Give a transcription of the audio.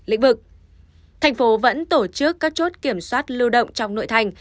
lĩnh vực thành phố vẫn tổ chức các chốt kiểm soát lưu động trong nội thành